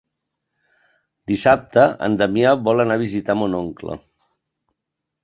Dissabte en Damià vol anar a visitar mon oncle.